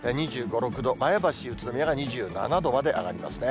２５、６度、前橋、宇都宮が２７度まで上がりますね。